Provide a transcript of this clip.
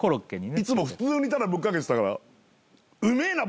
いつも普通にただぶっかけてたから。